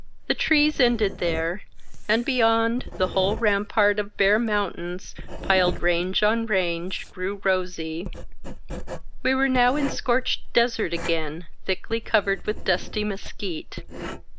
The trees ended there, and beyond, the whole rampart of bare mountains, piled range on range, grew rosy. We were now in scorched desert again, thickly covered with dusty mesquite.